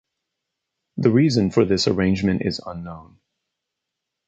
The reason for this arrangement is unknown.